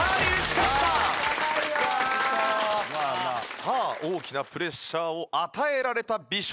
さあ大きなプレッシャーを与えられた美少年。